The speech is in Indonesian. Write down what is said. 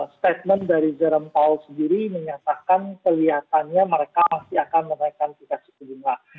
statement dari jerome paul sendiri menyatakan kelihatannya mereka masih akan menaikkan tingkat suku bunga